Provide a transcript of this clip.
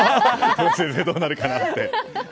どうなるかなって。